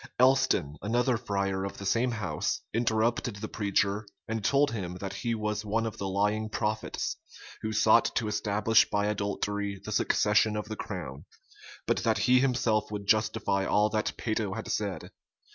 Elston, another friar of the same house, interrupted the preacher, and told him that he was one of the lying prophets, who sought to establish by adultery the succession of the crown; but that he himself would justify all that Peyto had said.